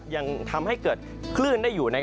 ยังทำให้เกิดคลื่นได้อยู่